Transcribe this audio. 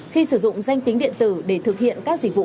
khi sử dụng danh kính điện tử để thực hiện các dịch vụ công